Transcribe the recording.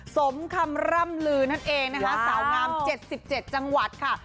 สมคำร่ำลือนั่นเองนะคะสาวงาม๗๗จังหวัดค่ะ